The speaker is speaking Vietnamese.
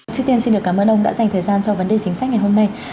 cảm ơn ông đã dành thời gian cho vấn đề chính sách ngày hôm nay